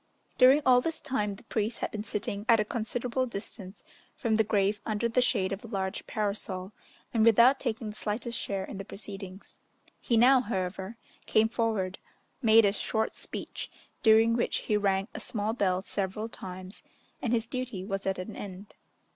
During all this time, the priest had been sitting at a considerable distance from the grave under the shade of a large parasol, and without taking the slightest share in the proceedings. He now, however, came forward, made a short speech, during which he rang a small bell several times, and his duty was at an end.